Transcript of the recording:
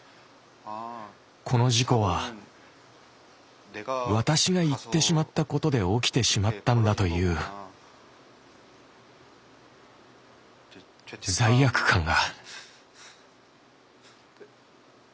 この事故は私が行ってしまったことで起きてしまったんだという罪悪感が。